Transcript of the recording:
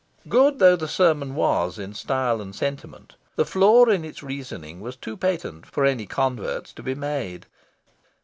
Good though the sermon was in style and sentiment, the flaw in its reasoning was too patent for any converts to be made.